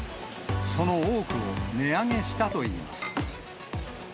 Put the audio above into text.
その多くを値上げしたといいます。